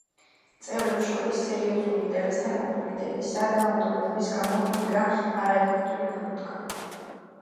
წევრებს შორის სერიოზული ინტერესთა კონფლიქტებისა და უნდობლობის გამო ლიგა არაეფექტური გამოდგა.